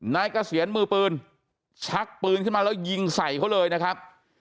เกษียณมือปืนชักปืนขึ้นมาแล้วยิงใส่เขาเลยนะครับ